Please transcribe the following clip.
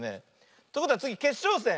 ってことはつぎけっしょうせん。